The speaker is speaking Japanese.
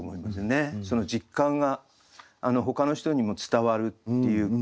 その実感がほかの人にも伝わるっていうか。